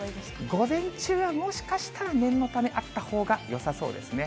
午前中はもしかしたら念のため、あったほうがよさそうですね。